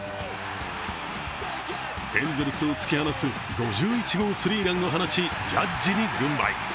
エンゼルスを突き放す５１号スリーランを放ち、ジャッジに軍配。